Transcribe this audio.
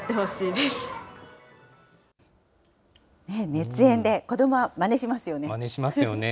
熱演で、子どもはまねしますよね。